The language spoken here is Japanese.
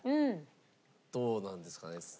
どうなんですかね？